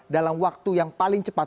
dalam waktu yang paling cepat